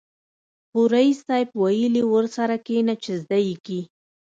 خو ريس صيب ويلې ورسره کېنه چې زده يې کې.